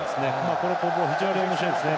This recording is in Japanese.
この攻防非常におもしろいですね。